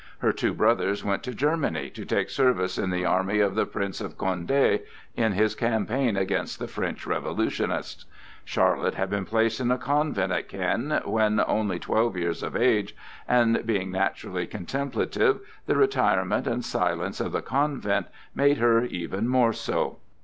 Her two brothers went to Germany to take service in the army of the Prince of Condé in his campaign against the French Revolutionists. Charlotte had been placed in a convent at Caen when only twelve years of age, and being naturally contemplative, the retirement and silence of the convent made her even more so.